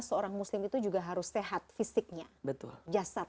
seorang muslim itu juga harus sehat fisiknya